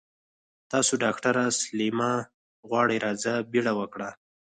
تاسو ډاکټره سليمه غواړي راځه بيړه وکړه.